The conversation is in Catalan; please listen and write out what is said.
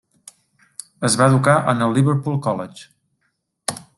Es va educar en el Liverpool College.